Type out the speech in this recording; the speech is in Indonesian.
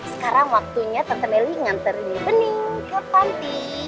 sekarang waktunya tante meli nganterin bening ke panti